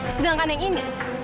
sedangkan yang ini